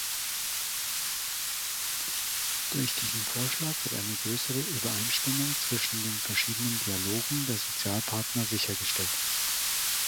Durch diesen Vorschlag wird eine größere Übereinstimmung zwischen den verschiedenen Dialogen der Sozialpartner sichergestellt.